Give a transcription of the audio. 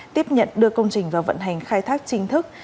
tiếp nhận đưa công trình vào vận hành khai thác chính thức